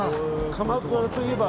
鎌倉といえば。